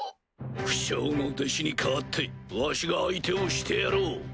不肖の弟子に代わってわしが相手をしてやろう。